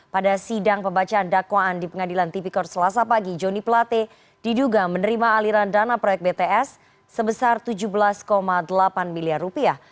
pada sidang pembacaan dakwaan di pengadilan tipikor selasa pagi joni plate diduga menerima aliran dana proyek bts sebesar tujuh belas delapan miliar rupiah